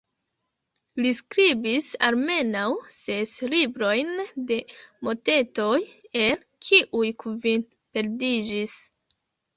Li skribis almenaŭ ses librojn de motetoj, el kiuj kvin perdiĝis.